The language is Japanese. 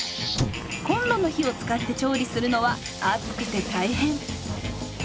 コンロの火を使って調理するのは暑くて大変。